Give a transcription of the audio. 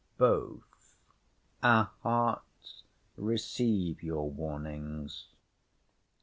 BOTH. Our hearts receive your warnings.